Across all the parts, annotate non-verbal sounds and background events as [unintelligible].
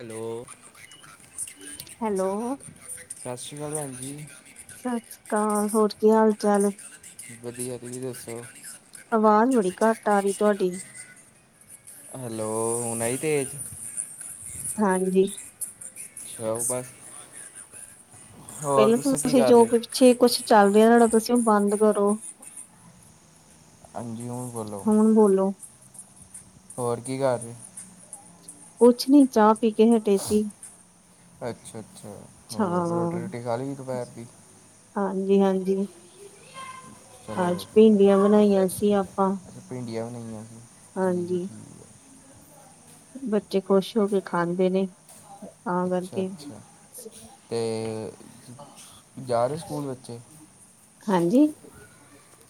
Hello, hello, ਸਤਿ ਸ਼੍ਰੀ ਅਕਾਲ ਭੈਣ ਜੀ। ਸਤਿ ਸ਼੍ਰੀ ਅਕਾਲ। ਹੋਰ ਕੀ ਹਾਲ- ਚਾਲ? ਵਧੀਆ ਤੁਸੀਂ ਦੱਸੋ? ਆਵਾਜ਼ ਬੜੀ ਘੱਟ ਆ ਰਹੀ ਤੁਹਾਡੀ। ਹੈਲੋ, ਹੁਣ ਆਈ ਤੇਜ। ਹਾਂਜੀ। ਖਾਵੋ ਬਸ। ਪਹਿਲਾਂ ਤਾਂ ਕੀ ਤੁਸੀਂ ਕਰ ਜੋ ਰਹੇ ਪਿੱਛੇ ਕੁਛ ਚੱਲ ਰਿਹਾ ਤੁਾ ਤੁਸੀਂ ਉਹ ਬੰਦ ਕਰੋ। ਹਾਂਜੀ, ਹੁਣ ਬੋਲੋ। ਹੁਣ ਬੋਲੋ। ਹੋਰ ਕੀ ਕਰ ਰਹੇ? ਕੁਛ ਨੀ, ਚਾਹ ਪੀ ਕੇ ਹਟੇ ਸੀ। ਅੱਛਾ -ਅੱਛਾ। ਅੱਛਾ ਹੋਰ ਰੋਟੀ -ਰੋਟੀ ਖਾ ਲਈ ਦੁਪਹਿਰ ਦੀ। ਹਾਂਜੀ -ਹਾਂਜੀ। ਚਲੋ ਅੱਜ ਵਧੀਆ ਭਿੰਡੀਆਂ ਬਣਾਈਆਂ ਸੀ ਆਪਾਂ। ਭਿੰਡੀਆਂ ਵੀ ਬਣਾਆਂ ਸੀਂ। ਹਾਂਜੀ ਠੀਕ ਹੈ। ਬੱਚੇ ਖ਼ੁਸ਼ ਹੋ ਕੇ ਖਾਂਦੇ ਨੇ। ਤਾਂ ਅੱਛਾ- ਕਰਕੇ ਅੱਛਾ। ਤੇ, ਜਾ ਰਹੇ ਸਕੂਲ ਬੱਚੇ। ਹਾਂਜੀ।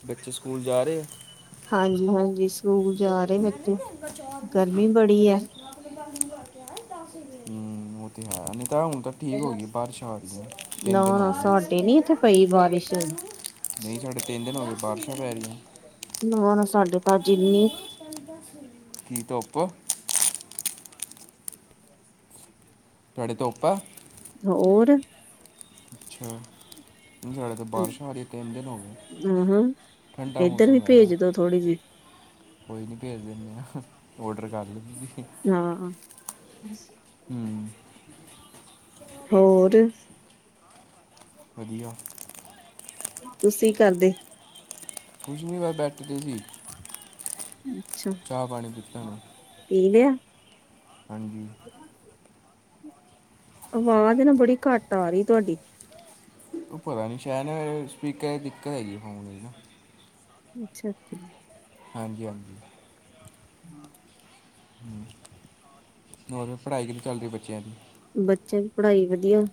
ਬੱਚੇ ਸਕੂਲ ਜਾ ਰਹੇ ਆ। ਹਾਂਜੀ -ਹਾਂਜੀ ਸਕੂਲ ਜਾ ਰਹੇ ਬੱਚੇ, ਗਰਮੀ ਬੜੀ ਹੈ। ਹੂ, ਉਹ ਤੇ ਹੈ ਨਹੀਂ ਤਾਂ ਹੁਣ ਤਾਂ। ਠੀਕ ਹੋ ਗਈ ਬਾਰਿਸ਼ ਆ ਰਹੀ ਹੈ ਤਿੰਨ ਦਿਨ ਨਾ- ਹੋ ਨਾ ਗਏ ਸਾਡੇ ਨੀ ਇਥੇ- ਪਈ ਬਾਰਿਸ਼। ਨਹੀਂ ਸਾਡੇ ਤਿੰਨ ਦਿਨ ਹੋ ਗਏ ਬਾਰਿਸ਼ਾਂ ਪੈ ਰਹੀਆਂ ਨਾ ਸਾਡੇ ਤਾਂ ਜਿਨੀ- ਚਦਾ [unintelligible] [unintelligible] ਕੀ ਧੁੱਪ- ਤੁਹਾਡੇ ਧੁੱਪ ਏ। ਹੋਰ। ਅੱਛਾ। ਲੁਧਿਆਣੇ ਤਾਂ ਆਹਾਂ ਬਾਰਿਸ਼ਾਂ ਹੋ ਰਹੀਆਂ ਤਿੰਨ ਦਿਨ ਹੋ ਗਏ ਠੰਡਾ ਏਧਰ ਵੀ ਮੌਸਮ ਭੇਜ ਹੈ। ਦੋ ਥੋੜ੍ਹੀ ਜਿਹੀ ਕੋਈ ਨਹੀਂ ਭੇਜ ਦਿੰਦੇ ਹਾਂ। ਔਡਰ ਕਰ ਲੈਂ ਤੁਸੀਂ ਹਾਂ ਹੁ। ਹੋਰ। ਵਧੀਆ। ਤੁਸੀਂ ਕੀ ਕਰਦੇ। ਕੁਛ ਨਹੀਂ ਵ ਬੈਠੇ ਦੇ ਸੀ ਅਛਾ ਚਾਹ ਪਾਣੀ ਪੀਤਾ ਨੂੰ ਪੀ ਲਿਆ- ਹਾਂਜੀ- ਆਵਾਜ਼ ਨਾ ਬੜੀ ਘੱਟ ਆ ਰਹੀ ਤੁਹਾਡੀ- ਉਹ ਪਤਾ ਨੀ ਸ਼ਾਇਦ ਸਪੀਕਰ ਦਿੱਕਤ ਹੈਗੀ ਫੋਨ ਦੀ ਨਾ ਅਛਾ- ਅਛਾ। ਹਾਂਜੀ- ਹਾਂਜੀ। ਹੁ [inaudible] [inaudible] ਹੋਰ ਫੇਰ ਪੜ੍ਹਾਈ ਕਿਵੇ ਚੱਲਦੀ ਬੱਚਿਆਂ ਦੀ ਬੱਚਿਆਂ ਦੀ ਪੜ੍ਹਾਈ ਵਧੀਆ-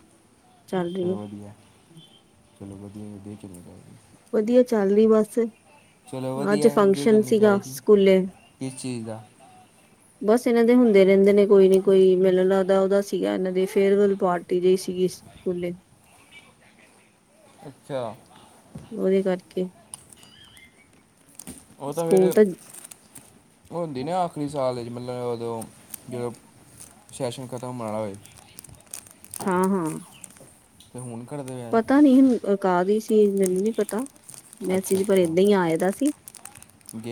ਚੱਲ ਰਹੀ ਹੈ ਚਲੋ ਵਧੀਆ ਚਲੋ ਵਧੀਆ ਵਧੀਆ ਹੀ ਚਲਨੀ ਚਾਹੀਦੀ- ਵਧੀਆ ਚੱਲ ਰਹੀ ਬਸ ਚਲੋ ਅਜ ਵਧੀਆ ਵਧੀਆ ਫੰਗਸ਼ਨ ਚੱਲਣੀ ਸੀਗਾ ਚਾਹੀਦੀ ਸਕੂਲੇ ਕਿਸ ਚੀਜ਼ ਦਾ ਬਸ ਇਹਨਾਂ ਦੇ ਹੁੰਦੇ ਰਹਿਦੇ ਨੇ ਕੋਈ ਨੀ ਕੋਈ ਮੈਨੂੰ ਲੱਗਦਾ ਉਹਦਾ ਸੀਗਾ ਇਹਨਾਂ ਦੀ ਫੇਅਰਵੈਲ ਪਾਰਟੀ ਜਿਹੀ ਸੀਗੀ ਸਕੂਲੇ- ਅੱਛਾ- ਉਹਦੇ ਕਰਕੇ- ਉਹ ਤਾਂ ਫੇਰ ਹੋਦੀ ਨਾ ਆਖਰੀ ਸਾਲ ਮਤਲਬ ਓਦੋ- ਜਦੋਂ ਸੈਸ਼ਨ ਖ਼ਤਮ ਹੋਇਆ ਹੋਵੇ- ਹਾਂ -ਹਾਂ- ਤੇ ਹੁਣ ਕਰਦੇ- ਆ ਪਤਾ ਨੀ ਹੁ ਅ ਕਾਹਦੀ ਸੀ ਮੈਨੂੰ ਨੀ ਪਤਾ- ਅੱਛਾ ਮੈਸੀਜ ਪਰ ਅੱਛਾ ਏਦਾਂ ਹੀ ਆਏ ਦਾ ਸੀ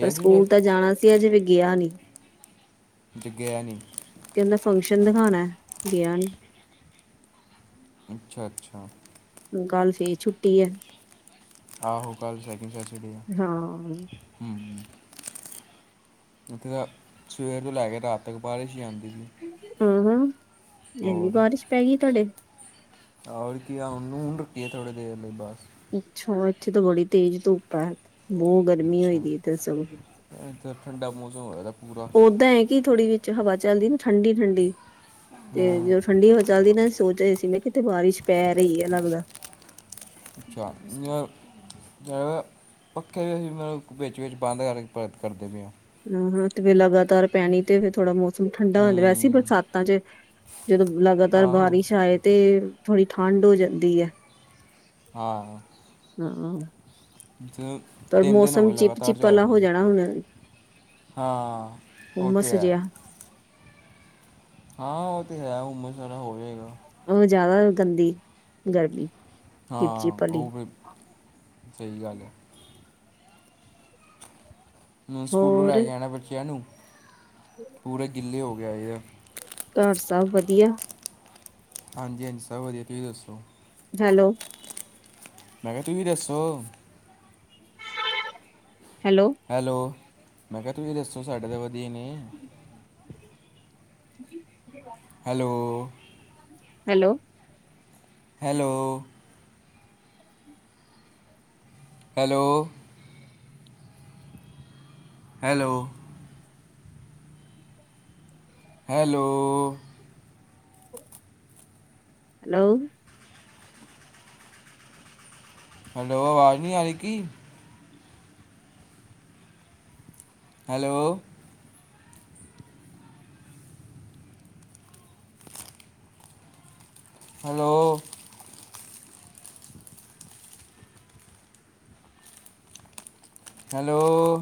ਪਰ ਸੀ ਸਕੂਲ ਫਿਰ ਤਾਂ ਜਾਣਾ ਸੀ ਅੱਜ ਵੀ ਏ ਗਿਆ ਨੀ। ਗਿਆ ਨਹੀ। ਕਹਿੰਦਾ ਫੰਗਸ਼ਨ ਦਖਾਣਾ ਗਿਆ ਨਹੀ - ਅੱਛਾ- ਅੱਛਾ ਕੱਲ ਫੇਰ ਛੁੱਟੀ ਹੈ। ਆਹੋ ਕੱਲ ਸੈਕਿੰਡ ਸੈਟਰਡੇ ਏ- ਹਾਂ- ਹੁ ਉਥੇ ਤਾਂ ਸਵੇਰ ਤੋਂ ਲੈ ਕੇ ਰਾਤ ਤੱਕ ਬਾਰਿਸ਼ ਹੀ ਆਂਦੀ ਰੀ। ਹਾਂ- ਹਾਂ ਏਂਨੀ ਬਾਰਿਸ਼ ਪੈ ਗਈ ਤੁਹਾਡੇ- ਹੋਰ ਕੀ ਇਹ ੳਨੂੰ ਹੁਣ ਰੱਖੀਏ ਥੋੜੇ ਦੇਰ ਲਈ ਬਸ ਅੱਛਾ ਇੱਥੇ ਤਾਂ ਬੜੀ ਤੇਜ਼ ਧੁੱਪ ਆ, ਬੋ ਗਰਮੀ ਹੋਈ ਦੀ ਸਗੋ। ਇਥੇ ਠੰਡਾ ਮੌਸਮ ਹੋਇਆ ਦਾ। ਓਦਾਂ ਹੈ ਕਿ ਥੋੜੀ ਵਿਚ ਹਵਾ ਚੱਲਦੀ ਨਾ ਠੰਡੀ ਠੰਡੀ ਤੇ ਹਾਂ ਜਦੋਂ ਠੰਡੀ ਹਵਾ ਚੱਲਦੀ ਨਾ ਸੋਚ ਰਹੇ ਸੀ ਮੈਂ ਕਿਤੇ ਬਾਰਿਸ਼ ਪੈ ਰਹੀ ਹੈ ਲੱਗਦਾ [inaudible] [inaudible] ਪੱਖੇ ਵੀ ਅਸੀਂ ਮਤਲਬ ਵਿੱਚ ਵਿੱਚ ਬੰਦ ਕਰ ਕਰਦੇ ਪਏ ਆ। ਹੂੰ, ਹੂੰ ਤੇ ਫਿਰ ਲਗਾਤਾਰ ਪੈਣੀ ਤੇ ਫਿਰ ਥੋੜਾ ਮੌਸਮ ਠੰਡਾ ਹੋ ਜਾਂਦਾ। ਵੈਸੇ ਹੂੰ ਬਰਸਾਤਾਂ 'ਚ ਜਦੋਂ ਲਗਾਤਾਰ ਆਹੋ ਬਾਰਿਸ਼ ਆਏ ਤੇ, ਥੋੜ੍ਹੀ ਠੰਡ ਹੋ ਜਾਂਦੀ ਹੈ। ਹਾਂ ਹਾਂ ਜ ਪਰ ਤਿੰਨ ਦਿਨ ਹੋ ਮੌਸਮ ਗਏ ਚਿਪ ਲਗਾਤਾਰ ਚਿਪ ਚੱਲ ਵਾਲਾ ਹੋ ਰਹੀ ਹੈ। ਜਾਣਾ ਹੁਣ ਹਾਂ, ਉਹ ਤੇ ਹੁਮਸ ਹੈ। ਜਿਹਾ ਹਾਂ ਉਹ ਤੇ ਹੈ। ਹੁੰਮਸ ਵਾਲਾ ਹੋ ਜਾਏਗਾ। ਉਹ ਜ਼ਿਆਦਾ ਗੰਦੀ, ਗਰਮੀ- ਚਿਪ ਹਾਂ, ਚਿਪ ਵਾਲੀ ਉਹ ਵੀ, ਸਹੀ ਗੱਲ ਹੈ। ਸਕੂਲੋ ਹੋਰ ਲੈ ਕੇ ਆਉਣਾ ਬੱਚਿਆਂ ਨੂੰ, ਪੂਰੇ ਗਿਲੇ ਹੋ ਕੇ ਆਏ ਆ ਘਰ ਸਭ ਵਧੀਆ- ਹਾਂਜੀ- ਹਾਂਜੀ ਸਭ ਵਧੀਆ, ਤੁਸੀ ਦੱਸੋ- ਹੈਲੋ- ਮੈ ਕਿਹਾ ਤੁਸੀ ਦੱਸੋ ਹੈਲੋ- ਹੈਲੋ, ਮੈ ਕਿਹਾ ਤੁਸੀ ਦੱਸੋ, ਸਾਡੇ ਤੇ ਵਧੀਆ ਨੇ- [inaudible] hello hello hello hello hello hello hello hello, ਆਵਾਜ਼ ਨਹੀਂ ਆ ਰਹੀ ਕੀ? Hello hello hello